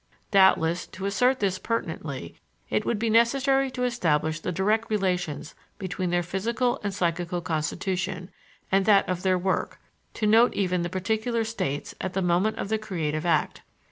Doubtless, to assert this pertinently, it would be necessary to establish the direct relations between their physical and psychical constitution and that of their work; to note even the particular states at the moment of the creative act.